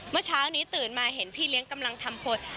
เมื่อเช้านี้ตื่นมาเห็นพี่เลี้ยงกำลังทำคน